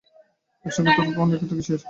ঐ ভদ্রলোকের সঙ্গে তোর এত কিসের খাতির?